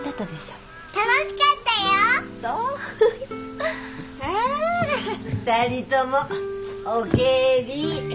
ああ２人ともお帰り。